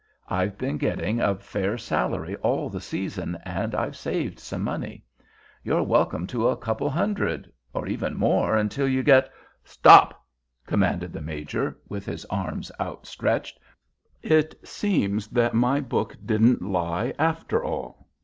I've been getting a fair salary all the season, and I've saved some money. You're welcome to a couple hundred—or even more—until you get——" "Stop!" commanded the Major, with his arm outstretched. "It seems that my book didn't lie, after all.